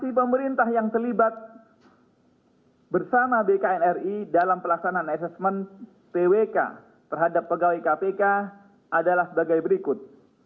posisi pemerintah yang terlibat bersama bknri dalam pelaksanaan asesmen twk terhadap pegawai kpk adalah sebagai berikut